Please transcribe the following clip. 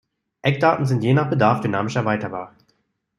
Eckdaten sind je nach Bedarf dynamisch erweiterbar.